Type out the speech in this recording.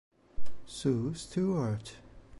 Sue Stewart